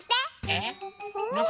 えっ？